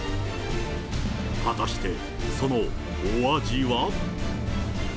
果たして、そのお味は。